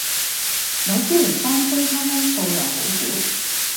米芝蓮三星餐廳數量好少